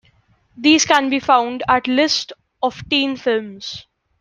These can be found at list of teen films.